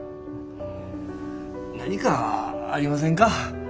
何かありませんか？